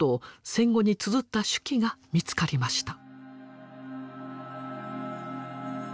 戦後につづった手記が見つかりました。